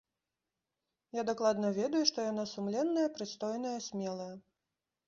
Я дакладна ведаю, што яна сумленная, прыстойная, смелая.